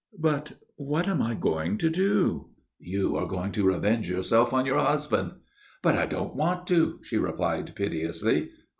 "But what am I going to do?" "You are going to revenge yourself on your husband." "But I don't want to," she replied, piteously.